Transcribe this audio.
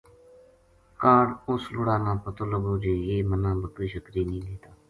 کاہڈ اس لُڑا نا پتو لگو جے یہ مَنا بکری شکری نیہہ دیتا